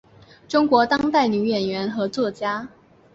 中国当代女演员和作家。